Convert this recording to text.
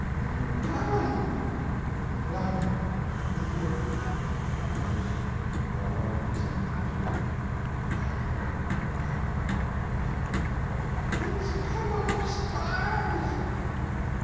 _ en a comin'! En bimeby he hear (pause awed, listening attitude) pat pat pat _Hit's a comin' upstairs!